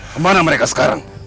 kemana mereka sekarang